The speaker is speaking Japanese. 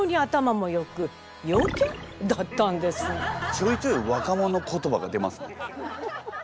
ちょいちょい若者言葉が出ますね。